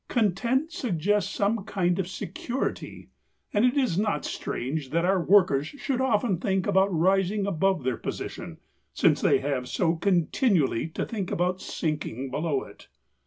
Content suggests some kind of security; and it is not strange that our workers should often think about rising above their position, since they have so continually to think about sinking below it.